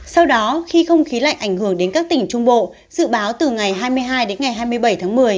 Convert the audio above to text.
sau đó khi không khí lạnh ảnh hưởng đến các tỉnh trung bộ dự báo từ ngày hai mươi hai đến ngày hai mươi bảy tháng một mươi